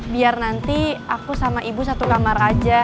biar nanti aku sama ibu satu kamar aja